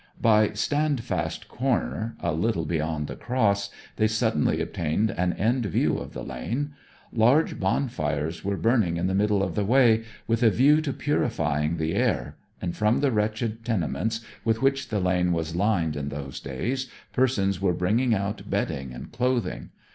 By Standfast Corner, a little beyond the Cross, they suddenly obtained an end view of the lane. Large bonfires were burning in the middle of the way, with a view to purifying the air; and from the wretched tenements with which the lane was lined in those days persons were bringing out bedding and clothing.